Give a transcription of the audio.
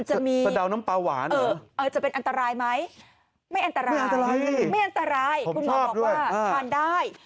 สะเดาน้ำปลาหวานจะเป็นอันตรายไหมไม่อันตรายไม่อันตรายคุณหมอบอกว่าทานได้